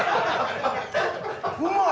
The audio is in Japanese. うまい。